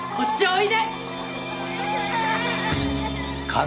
おいで